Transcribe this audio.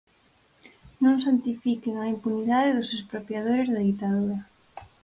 Non santifiquen a impunidade dos expropiadores da ditadura.